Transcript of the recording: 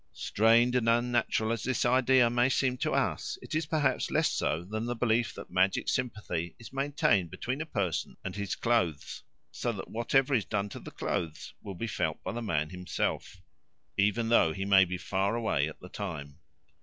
Strained and unnatural as this idea may seem to us, it is perhaps less so than the belief that magic sympathy is maintained between a person and his clothes, so that whatever is done to the clothes will be felt by the man himself, even though he may be far away at the time.